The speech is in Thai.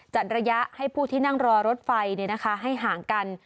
ระยะให้ผู้ที่นั่งรอรถไฟให้ห่างกัน